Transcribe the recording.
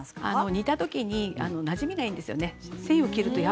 煮た時になじみがいいんです。